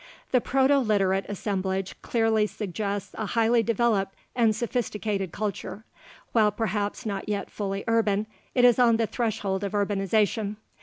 The Proto Literate assemblage clearly suggests a highly developed and sophisticated culture. While perhaps not yet fully urban, it is on the threshold of urbanization.